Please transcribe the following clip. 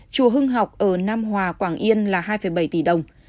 chùa hưng học ở nam hòa quảng yên là hai bảy tỷ đồng